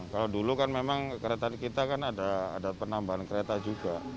kalau dulu kan memang kereta kita kan ada penambahan kereta juga